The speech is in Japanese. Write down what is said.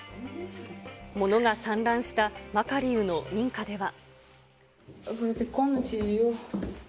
物が散乱したマカリウの民家では。